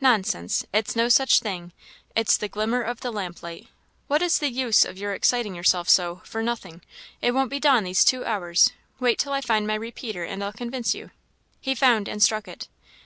"Nonsense! it's no such thing; it's the glimmer of the lamp light; what is the use of your exciting yourself so, for nothing? It won't be dawn these two hours. Wait till I find my repeater, and I'll convince you." He found and struck it.